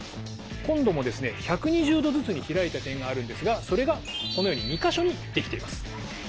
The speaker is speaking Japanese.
今度もですね１２０°ずつに開いた点があるんですがそれがこのように２か所に出来ています。